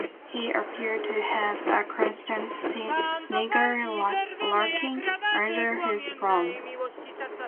He appeared to have a constant snigger lurking under his frown.